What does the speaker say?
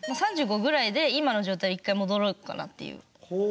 ３５くらいで今の状態に１回戻ろうかなっていう。